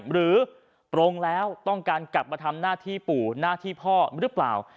หรือตรงแล้วต้องการกลับมาทำหน้าที่ปู่หน้าที่พ่อหรือเปล่า